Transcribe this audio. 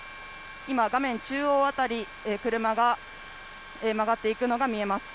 今、画面中央辺り、車が曲がっていくのが見えます。